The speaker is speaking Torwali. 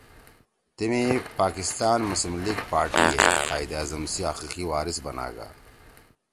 تیمی پاکستان مسلم لیگ پارٹی ئے قائداعظم سی حقیقی وارث بناگا